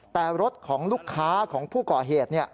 แต่รถของลูกค้าของผู้ก่อเหตุ